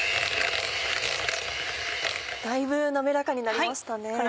だいぶ滑らかになりましたね。